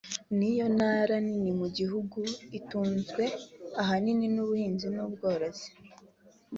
niyo ntara nini mu gihugu itunzwe ahanini n’ubuhinzi n’ubworozi